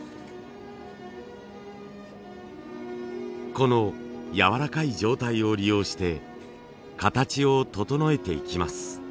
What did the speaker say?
このやわらかい状態を利用して形を整えていきます。